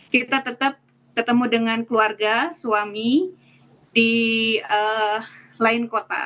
kita tetap ketemu dengan keluarga suami di lain kota